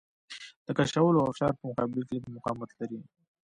د کشولو او فشار په مقابل کې لږ مقاومت لري.